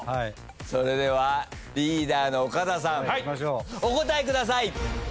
それではリーダーの岡田さんお答えください。